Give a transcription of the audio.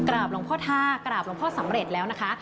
หลวงพ่อท่ากราบหลวงพ่อสำเร็จแล้วนะคะ